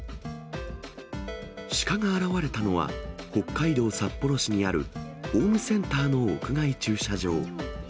シカが現れたのは、北海道札幌市にあるホームセンターの屋外駐車場。